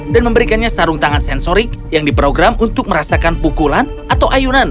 dan memberikannya sarung tangan sensorik yang diprogram untuk merasakan pukulan atau ayunan